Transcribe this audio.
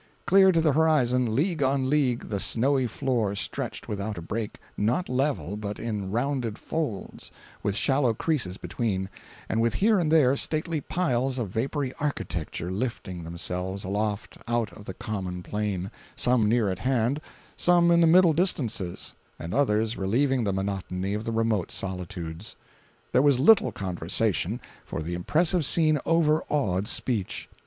Clear to the horizon, league on league, the snowy floor stretched without a break—not level, but in rounded folds, with shallow creases between, and with here and there stately piles of vapory architecture lifting themselves aloft out of the common plain—some near at hand, some in the middle distances, and others relieving the monotony of the remote solitudes. There was little conversation, for the impressive scene overawed speech.